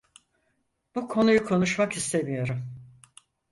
Bu konuyu konuşmak istemiyorum.